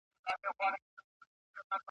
وئیل یې پرهرونه په هوا کله رغېږي ,